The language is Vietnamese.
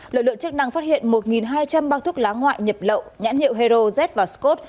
lực lượng chức năng phát hiện một hai trăm linh bao thuốc lá ngoại nhập lậu nhãn hiệu hero z và scott